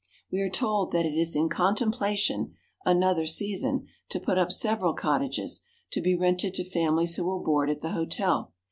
We are told that it is in contemplation, another season, to put up several cottages, to be rented to families who will board at the hotel.